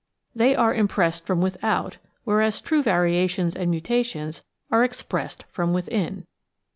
They are impressed from without, whereas true variations and mutations are expressed from within.